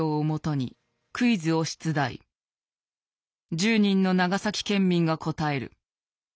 １０人の長崎県民が答える。